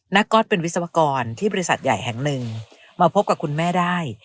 ก๊อตเป็นวิศวกรที่บริษัทใหญ่แห่งหนึ่งมาพบกับคุณแม่ได้